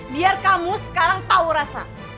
biar kamu sekarang tahu rasa